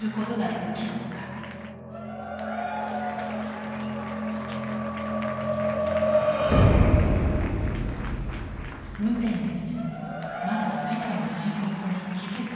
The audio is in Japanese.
運転員たちもまだ事態の深刻さに気付いていませんでした。